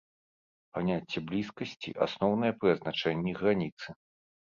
Паняцце блізкасці асноўнае пры азначэнні граніцы.